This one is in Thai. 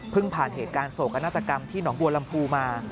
พึ่งผ่านเหตุการณ์โสโกนาศกรรมที่หนบัวลำพูมา